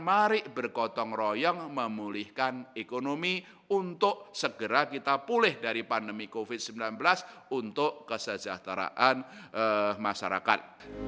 mari bergotong royong memulihkan ekonomi untuk segera kita pulih dari pandemi covid sembilan belas untuk kesejahteraan masyarakat